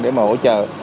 để mà hỗ trợ